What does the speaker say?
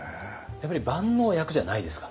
やっぱり万能薬じゃないですか？